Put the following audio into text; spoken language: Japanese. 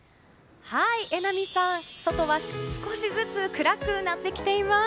榎並さん、外は少しずつ暗くなってきています。